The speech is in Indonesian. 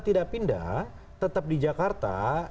tidak pindah tetap di jakarta